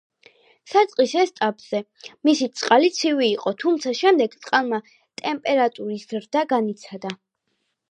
საწყის ეტაპზე მისი წყალი ცივი იყო, თუმცა შემდეგ წყალმა ტემპერატურის ზრდა განიცადა.